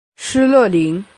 施乐灵。